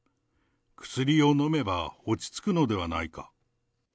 薬を飲めば落ち着くのではないか。